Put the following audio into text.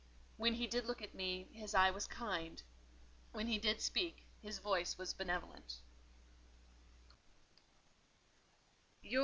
When he did look at me, his eye was kind; when he did speak, his voice was benevolent.